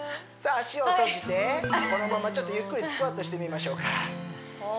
足を閉じてこのままちょっとゆっくりスクワットしてみましょうかはい